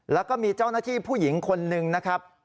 แล้วก็มีเจ้าหน้าที่ผู้หญิงคนหนึ่งนะครับ